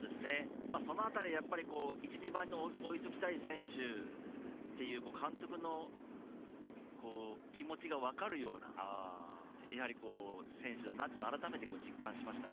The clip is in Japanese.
その辺り、１、２番に置いておきたい選手という監督の気持ちが分かるような選手だなっていうのを改めて実感しましたね。